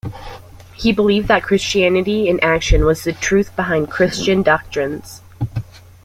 He believed that Christianity in action was the truth behind Christian doctrines.